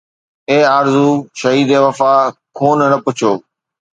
اي آرزو شهيد وفا! خون نه پڇو